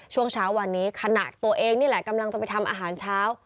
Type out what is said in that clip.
ช่วงเช้าวันนี้ขณะตัวเองนี่แหละกำลังจะไปทำอาหารเช้า